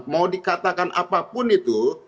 mau dikatakan apapun itu